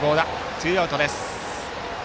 ツーアウトです。